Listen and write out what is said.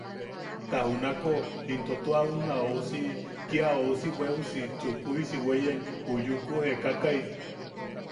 Ta junako into tua unna ousi, kia ousi bweʼusi chukuisi weeyen u yuku jeekakai.